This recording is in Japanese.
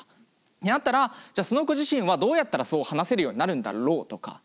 であったらじゃあその子自身はどうやったらそう話せるようになるんだろうとか。